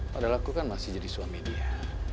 padahal aku kan masih jadi suami dia